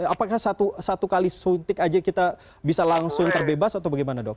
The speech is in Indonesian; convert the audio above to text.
apakah satu kali suntik aja kita bisa langsung terbebas atau bagaimana dok